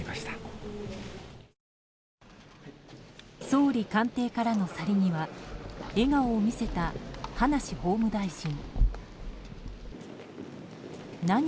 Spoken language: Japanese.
総理官邸からの去り際笑顔を見せた葉梨法務大臣。